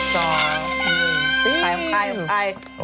สองหนึ่งใคร